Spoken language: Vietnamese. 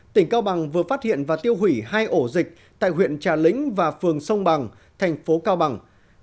tỉnh cao bằng vừa phát hiện và tiêu hủy hai ổ dịch tại huyện trà lĩnh và phường sông bằng thành phố cao bằng